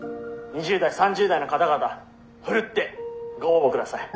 ２０代３０代の方々ふるってご応募ください」。